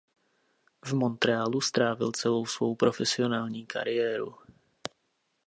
V Montrealu strávil celou svou profesionální kariéru.